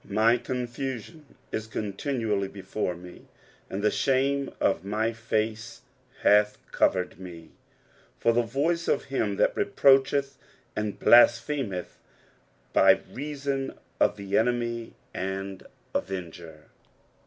15 My confusion is continually before me, and the shame of my face hath covered me, 16 For the voice of him that reproacheth and blasphemeth ; by reason of the enemy and avenger.